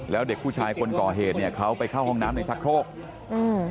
แล้วเด็กผู้ชายคนก่อเหตุเนี่ยเขาไปเข้าห้องน้ำในชักโครกอืม